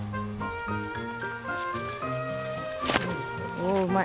おおうまい。